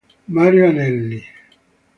Mario Anelli